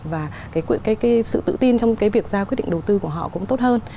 và cái sự tự tin trong cái việc ra quyết định đầu tư của họ cũng tốt hơn